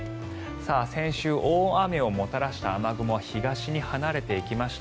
先週、大雨をもたらした雨雲は東に離れていきました。